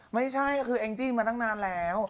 ไม่ใช่ก็คือแองจี้มาตั้งนานแล้ว